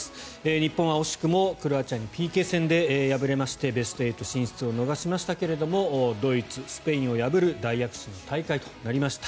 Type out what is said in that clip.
日本は惜しくもクロアチアにＰＫ戦で敗れましてベスト８進出を逃しましたがドイツ、スペインを破る大躍進の大会となりました。